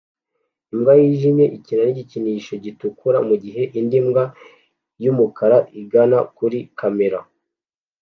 Imbwa yijimye ikina nigikinisho gitukura mugihe indi mbwa yumukara igana kuri kamera